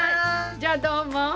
じゃあどうも。